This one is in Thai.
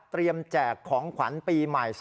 เตรียมแจกของขวัญปีใหม่๒๕๖๕